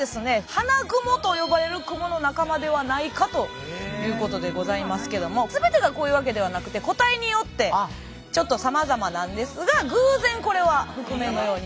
ハナグモと呼ばれるクモの仲間ではないかということでございますけども全てがこういうわけではなくて個体によってちょっとさまざまなんですが偶然これは覆面のように見えたと。